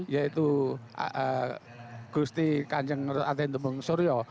yaitu gusti kanjeng atin tumung suryo